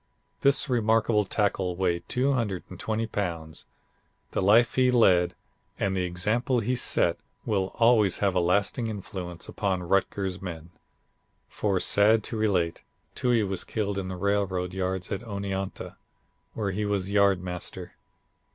This remarkable tackle weighed 220 pounds. The life he led and the example he set will always have a lasting influence upon Rutgers men. For sad to relate, Toohey was killed in the railroad yards at Oneonta, where he was yard master.